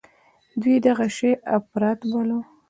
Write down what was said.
دوى دغه شى اپرات باله.